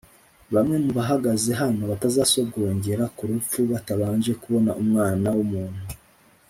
bamwe mu bahagaze hano batazasogongera ku rupfu batabanje kubona Umwana w umuntu